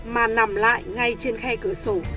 mà nằm lại ngay trên khe cửa sổ